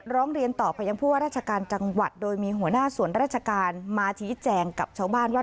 ร้องเรียนต่อไปยังผู้ว่าราชการจังหวัดโดยมีหัวหน้าส่วนราชการมาชี้แจงกับชาวบ้านว่า